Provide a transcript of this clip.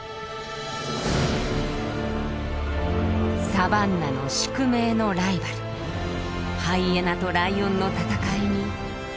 サバンナの宿命のライバルハイエナとライオンの戦いに終わりはありません。